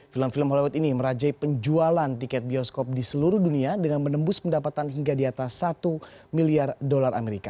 film film hollywood ini merajai penjualan tiket bioskop di seluruh dunia dengan menembus pendapatan hingga di atas satu miliar dolar amerika